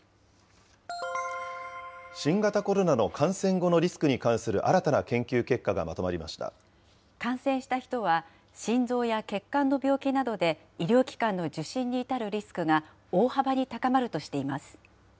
新型コロナの感染後のリスクに関する新たな研究結果がまとま感染した人は、心臓や血管の病気などで医療機関の受診に至るリスクが大幅に高まるとしています。